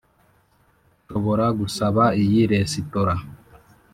nshobora gusaba iyi resitora.